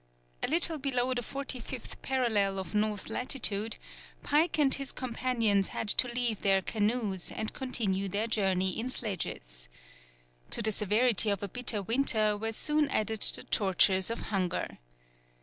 A little below the 45th parallel of North latitude, Pike and his companions had to leave their canoes and continue their journey in sledges. To the severity of a bitter winter were soon added the tortures of hunger.